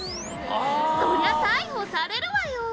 「そりゃ逮捕されるわよ！」